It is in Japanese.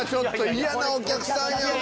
嫌なお客さんやわ。